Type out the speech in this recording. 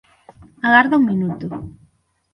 Agarda un minuto.